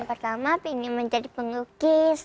pertama pengen menjadi pelukis